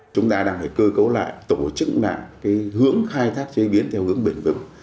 chúng ta đang phải cơ cấu lại tổ chức lại hướng khai thác chế biến theo hướng bền vững